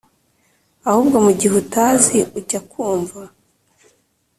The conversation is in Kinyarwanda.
ahubwo mu gihe utazi ujya kumva